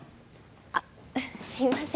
あっすいません